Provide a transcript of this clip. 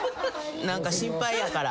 何か心配やから。